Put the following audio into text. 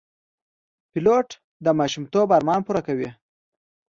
پیلوټ د ماشومتوب ارمان پوره کوي.